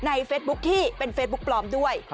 เฟซบุ๊คที่เป็นเฟซบุ๊กปลอมด้วย